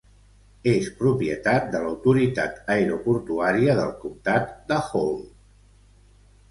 És propietat de l'autoritat aeroportuària del comtat de Hall.